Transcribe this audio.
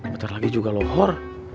bentar lagi juga lohor